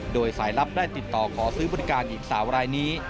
โดยสายลับได้ติดต่อขอซื้อบริการหญิงสาวรายนี้